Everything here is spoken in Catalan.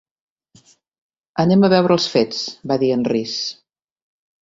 "Anem a veure els fets", va dir en Rhys.